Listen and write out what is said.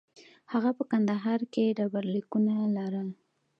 هغه په کندهار کې ډبرلیکونه لرل